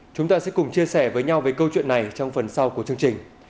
chúng ta sẽ cùng chia sẻ với nhau về câu chuyện này trong phần sau của chương trình